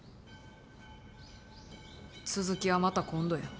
続きはまた今度や。